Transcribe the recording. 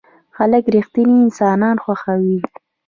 خلک رښتيني انسانان خوښوي.